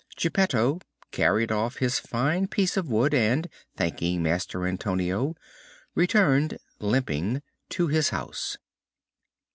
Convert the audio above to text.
Geppetto carried off his fine piece of wood and, thanking Master Antonio, returned limping to his house.